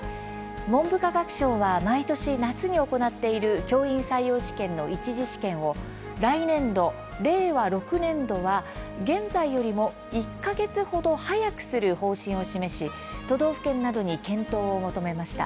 文部科学省は毎年夏に行っている教員採用試験の１次試験を来年度、令和６年度は現在よりも、１か月程早くする方針を示し都道府県などに検討を求めました。